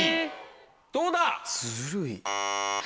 どうだ？